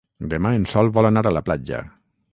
Demà en Sol vol anar a la platja.